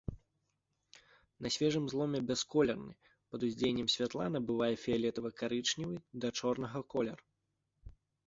На свежым зломе бясколерны, пад уздзеяннем святла набывае фіялетава-карычневы да чорнага колер.